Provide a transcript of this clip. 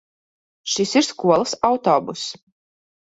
Šis ir skolas autobuss.